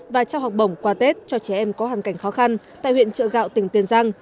và trao học bổng quà tết cho trẻ em có hoàn cảnh khó khăn tại huyện trợ gạo tỉnh tiền giang